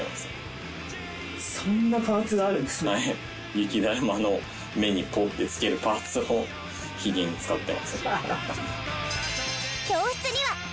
雪だるまの目にポッて付けるパーツを髭に使ってます。